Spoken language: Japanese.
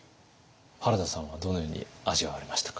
原田さんはどのように味わわれましたか？